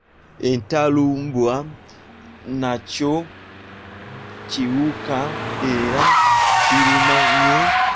Entalumbwa nakyo kiwuka era kiruma nnyo.